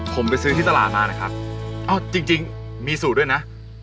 ผมไปซื้อที่ตลาดมานะครับเอ้าจริงมีสูตรด้วยนะ